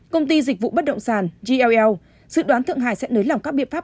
công ty dịch vụ bất động sản gl dự đoán thượng hải sẽ nới lỏng các biện pháp